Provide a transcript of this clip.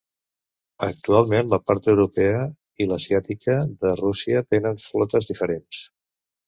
Actualment, la part europea i l'asiàtica de Russia tenen flotes diferents.